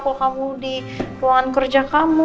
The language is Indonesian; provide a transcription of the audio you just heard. kalau kamu di ruangan kerja kamu